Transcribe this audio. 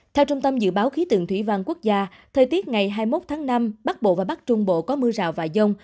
theo trung tâm dự báo khí tượng thủy văn quốc gia thời tiết ngày hai mươi một tháng năm bắc bộ và bắc trung bộ có mưa rào và dông